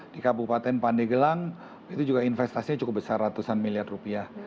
di kabupaten pandegelang itu juga investasinya cukup besar ratusan miliar rupiah